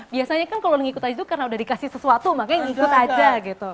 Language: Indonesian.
biasanya kan kalau ngikut aja karena udah dikasih sesuatu makanya ngikut aja gitu